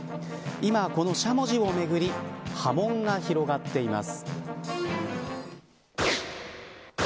今、このしゃもじをめぐり波紋が広がっています。